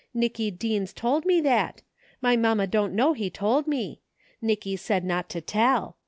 Nicky Deens told me that My mamma don't know he told me. Nicky said not to tell.